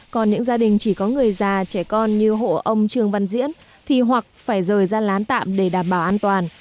còn những gia đình chỉ có người già trẻ con như hộ ông trường văn diễn thì hoặc phải rời ra lán tạm để đảm bảo an toàn